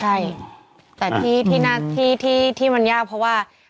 ใช่แต่ที่มันยากเพราะว่า